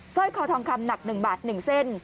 ร้อยคอทองคำหนัก๑บาท๑เส้น